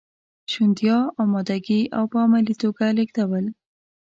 شونتیا، امادګي او په عملي توګه لیږدول.